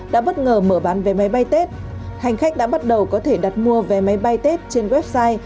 đã bất ngờ mở bán vé máy bay tết hành khách đã bắt đầu có thể đặt mua vé máy bay tết trên website